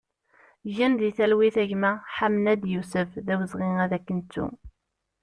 Gen di talwit a gma Ḥamenad Yusef, d awezɣi ad k-nettu!